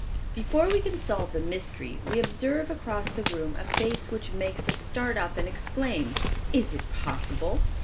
Before we can solve the mystery, we observe across the room a face which makes us start up and exclaim, "Is it possible!